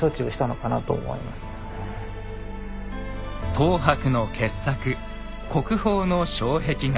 等伯の傑作国宝の障壁画。